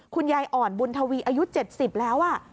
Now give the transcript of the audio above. คุณยายอ่อนบุญทวีอายุ๗๐แล้ว